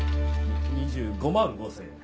２５万５０００円。